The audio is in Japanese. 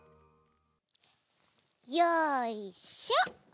よいしょ！